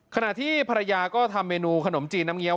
ขณะที่ภรรยาก็ทำเมนูขนมจีนน้ำเงี้